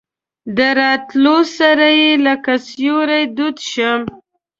د راتلو سره یې لکه سیوری دود شم.